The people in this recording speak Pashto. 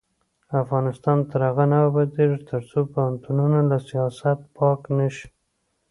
افغانستان تر هغو نه ابادیږي، ترڅو پوهنتونونه له سیاست پاک نشي.